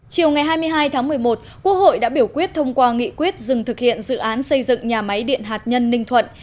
chiều ngày hai mươi hai tháng một mươi một quốc hội đã biểu quyết thông qua nghị quyết dừng thực hiện dự án xây dựng nhà máy điện hạt nhân ninh thuận